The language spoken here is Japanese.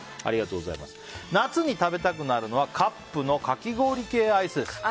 夏に食べたくなるのはカップのかき氷系アイスです。